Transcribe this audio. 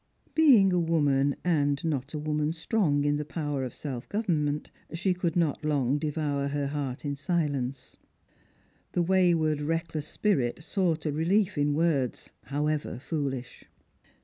Being a woman, and not a woman strong in the power of Belf goyernment, she could not long devour her heart iu silence. 316 Strangers and PilgHms, The wayward reckless spirit eought a relief in words, howevej foolish.